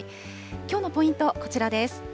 きょうのポイント、こちらです。